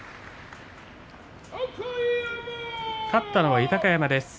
勝ったのは豊山です。